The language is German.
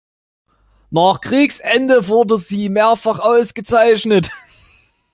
Nach Kriegsende wurde sie mehrfach ausgezeichnet.